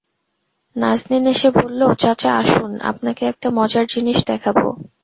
নাজনীন এসে বলল, চাচা, আসুন, আপনাকে একটা মজার জিনিস দেখাব।